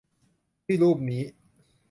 ที่รูปนี้